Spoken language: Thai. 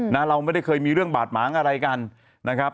เราไม่ได้เคยมีเรื่องบาดหมางอะไรกันนะครับ